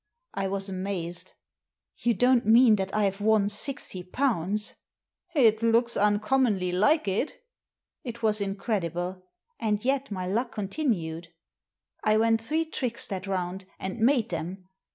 I was amazed. "You don't mean that I've won sixty pounds?" " It looks uncommonly like it" It was incredible. And yet my luck continued I went three tricks that round, and made them.